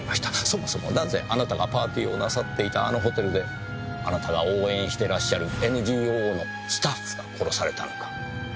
そもそもなぜあなたがパーティーをなさっていたあのホテルであなたが応援してらっしゃるＮＧＯのスタッフが殺されたのか？